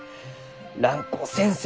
蘭光先生